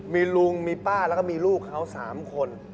มีลุงมีป้าแล้วก็มีลูกเขา๓คน